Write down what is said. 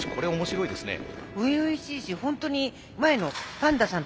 初々しいしホントに前のパンダさん